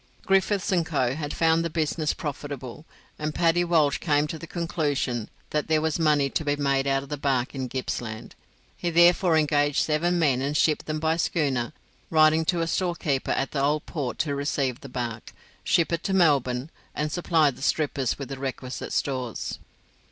Griffiths and Co. had found the business profitable, and Paddy Walsh came to the conclusion that there was money to be made out of bark in Gippsland. He therefore engaged seven men and shipped them by schooner, writing to a storekeeper at the Old Port to receive the bark, ship it to Melbourne, and supply the strippers with the requisite stores.